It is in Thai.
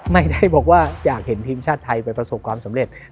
ไม่ได้บอกว่าอยากเห็นทีมชาติไทยไปประสบความสำเร็จ